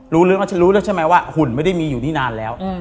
ฉันรู้แล้วใช่ไหมว่าหุ่นไม่ได้มีอยู่นี่นานแล้ว